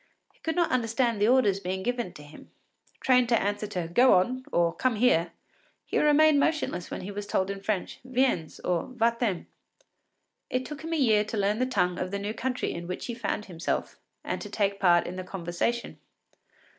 He could not understand the orders given him; trained to answer to “Go on,” or “Come here,” he remained motionless when he was told in French, “Viens,” or “Va t’en.” It took him a year to learn the tongue of the new country in which he found himself and to take part in the conversation.